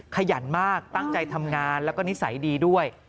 ขยันมากตั้งใจทำงานแล้วก็นิสัยดีด้วย